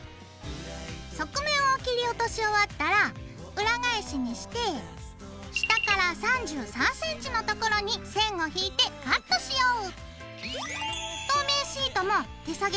側面を切り落とし終わったら裏返しにして下から３３ｃｍの所に線を引いてカットしよう。